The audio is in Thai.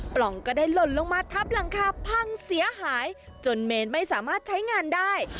ปล่องก็ได้หล่นลงมาทับหลังคาพังเสียหายจนเมนไม่สามารถใช้งานได้